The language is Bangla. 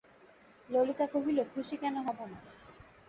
ললিতা কহিল, খুশি কেন হব না!